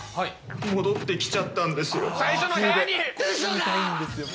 戻ってきちゃったんですよ。